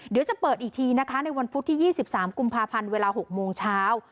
เดี๋ยวจะเปิดอีกทีนะคะในวันพุธที่๒๓กุมภาพันธ์เวลา๖โมงเช้า